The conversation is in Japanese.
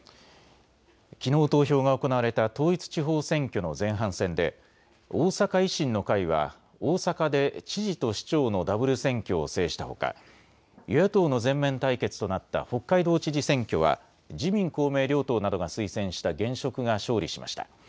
きのう投票が行われた統一地方選挙の前半戦で大阪維新の会は大阪で知事と市長のダブル選挙を制したほか、与野党の全面対決となった北海道知事選挙は自民公明両党などが推薦した現職が勝利しました。